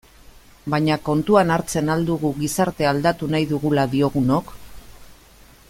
Baina kontuan hartzen al dugu gizartea aldatu nahi dugula diogunok?